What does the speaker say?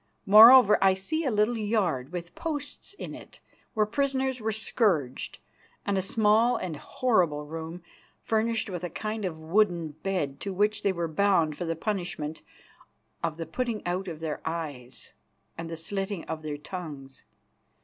Moreover, I see a little yard, with posts in it, where prisoners were scourged, and a small and horrible room, furnished with a kind of wooden bed, to which they were bound for the punishment of the putting out of their eyes and the slitting of their tongues.